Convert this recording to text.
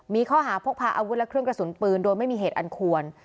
มีข้อหาพกพาอาวุธและเครื่องกระสุนปืนโดยไม่มีเหตุอันควร